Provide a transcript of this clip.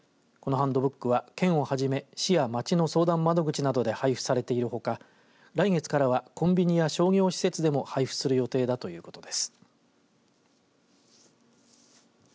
このハンドブックは県をはじめ市や町の相談窓口などで配布されているほか来月からはコンビニや商業施設でも配布する予定だということです。